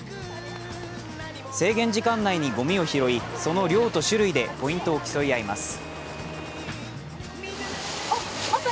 制限時間内にごみを拾い、その量と種類でポイントを競い合います。